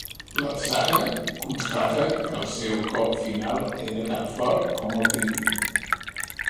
La saga constata que el seu cop final era tan fort com el primer.